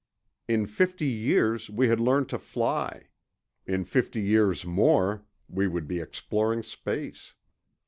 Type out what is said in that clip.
In fifty years we had learned to fly. In fifty years more, we would be exploring space.